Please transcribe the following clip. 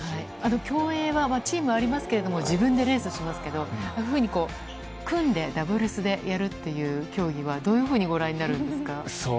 競泳はチームはありますけれども、自分でレースしますけど、ああいうふうに組んで、ダブルスでやるっていう競技はどういうふうにご覧になるんですか。